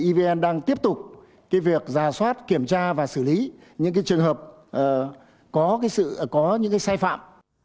evn đang tiếp tục cái việc giả soát kiểm tra và xử lý những cái trường hợp có những cái sai phạm